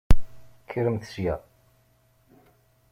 Kkremt sya!